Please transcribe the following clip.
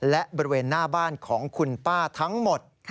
และบริเวณหน้าบ้านของคุณป้าทั้งหมด